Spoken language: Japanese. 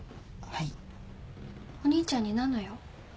お兄ちゃんに何の用？